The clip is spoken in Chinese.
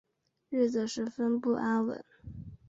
日子十分不安稳